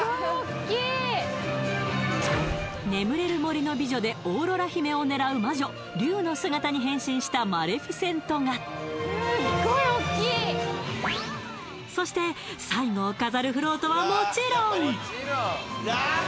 「眠れる森の美女」でオーロラ姫を狙う魔女竜の姿に変身したマレフィセントがすっごいおっきいそして最後を飾るフロートはもちろんあっ